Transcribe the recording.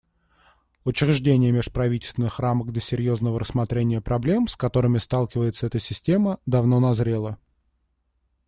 Учреждение межправительственных рамок для серьезного рассмотрения проблем, с которыми сталкивается эта система, давно назрело.